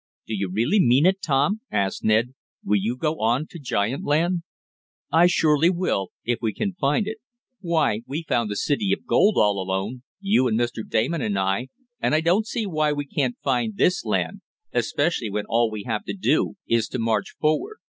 "Do you really mean it, Tom?" asked Ned. "Will you go on to giant land?" "I surely will, if we can find it. Why, we found the city of gold all alone, you and Mr. Damon and I, and I don't see why we can't find this land, especially when all we have to do is to march forward."